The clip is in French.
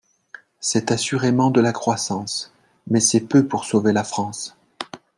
C’est assurément de la croissance, mais c’est peu pour sauver la France.